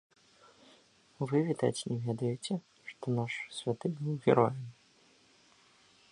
Вы, відаць, не ведаеце, што наш святы быў героем.